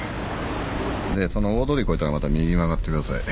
でその大通り越えたらまた右曲がってください。